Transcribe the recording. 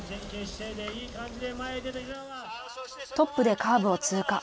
トップでカーブを通過。